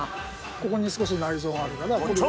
ここに少し内臓があるから取るよ。